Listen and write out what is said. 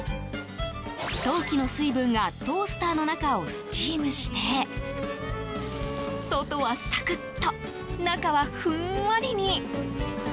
陶器の水分がトースターの中をスチームして外はサクッと中はふんわりに。